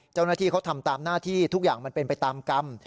เจ้าหน้าที่เขาทำตามหน้าที่ทุกอย่างมันเป็นไปตามกรรม